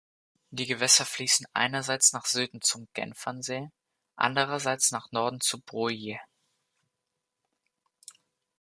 Die Gewässer fliessen einerseits nach Süden zum Genfersee, anderseits nach Norden zur Broye.